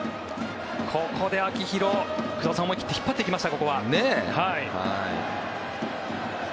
ここで秋広、工藤さん思い切って引っ張っていきました。